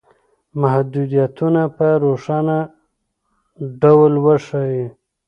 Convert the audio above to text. محدودیتونه په روښانه ډول وښایئ.